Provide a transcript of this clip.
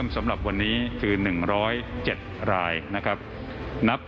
สวัสดีครับ